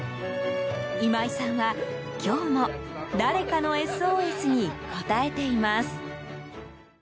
今井さんは、今日も誰かのＳＯＳに応えています。